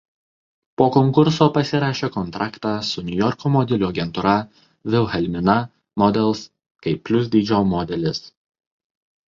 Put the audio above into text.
Po konkurso pasirašė kontraktą su Niujorko modelių agentūra Wilhelmina Models kaip plius dydžio modelis.